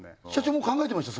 もう考えてました？